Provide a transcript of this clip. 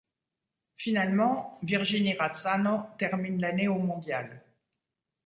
Finalement, Virginie Razzano termine l'année au mondial.